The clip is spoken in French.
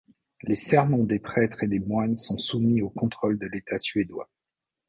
Les sermons des prêtres et des moines sont soumis au contrôle de l'État suédois.